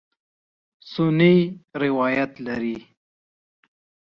سنې روایت لري.